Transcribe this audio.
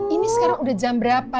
ini sekarang udah jam berapa